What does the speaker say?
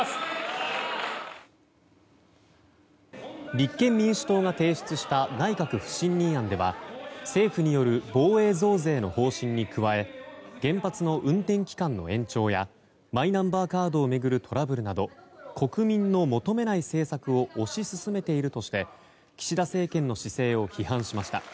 立憲民主党が提出した内閣不信任案では政府による防衛増税の方針に加え原発の運転期間の延長やマイナンバーカードを巡るトラブルなど国民の求めない政策を推し進めているとして岸田政権の姿勢を批判しました。